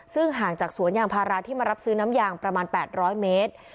ซึ่งห่างจากสวนยางพาราที่มารับซื้อน้ำยางประมาณ๘๐๐เมตร